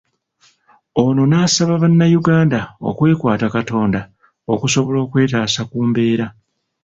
Ono n'asaba bannayuganda okwekwata Katonda okusobola okwetaasa ku mbeera.